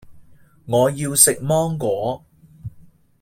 我要食芒果